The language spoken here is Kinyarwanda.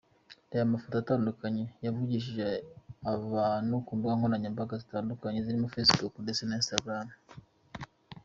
Reba amafoto atandukanye yavugishije ibintu ku mbuga nkoranyambaga zitandukanye zirimo Facebook ndetse na Instagram.